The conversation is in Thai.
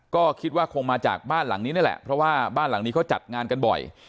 ก็คิดว่าคงมาจากบ้านหลังนี้นี่แหละเพราะว่าบ้านหลังนี้เขาจัดงานกันบ่อย